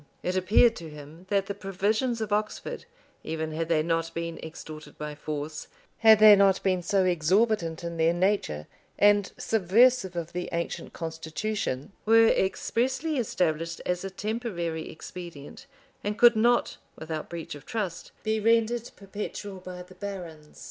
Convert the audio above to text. It appeared to him, that the provisions of Oxford, even had they not been extorted by force, had they not been so exorbitant in their nature and subversive of the ancient constitution, were expressly established as a temporary expedient, and could not, without breach of trust, be rendered perpetual by the barons.